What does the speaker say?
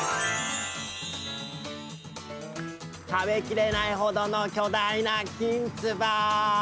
食べきれないほどの巨大なきんつば。